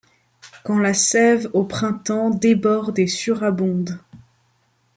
Quand la sève au printemps déborde et surabonde